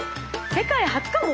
世界初かも！？